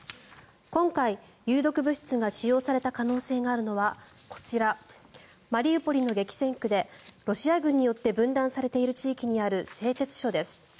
今回、有毒物質が使用された可能性があるのはこちら、マリウポリの激戦区でロシア軍によって分断されている地域にある製鉄所です。